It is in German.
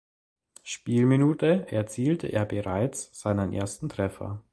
Spielminute erzielte er bereits seinen ersten Treffer.